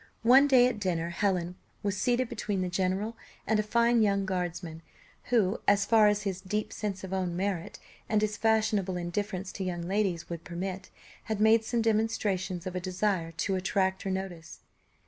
One day at dinner, Helen was seated between the general and a fine young guardsman, who, as far as his deep sense of his own merit, and his fashionable indifference to young ladies would permit, had made some demonstrations of a desire to attract her notice.